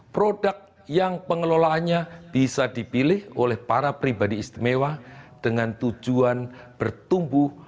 produk yang pengelolaannya bisa dipilih oleh para pribadi istimewa dengan tujuan bertumbuh